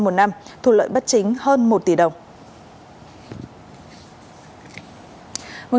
vụ lợi bất chính hơn một tỷ đồng